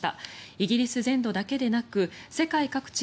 イギリス全土だけでなく世界各地